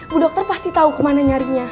bu dokter pasti tahu kemana nyarinya